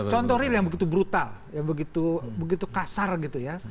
contoh real yang begitu brutal yang begitu kasar gitu ya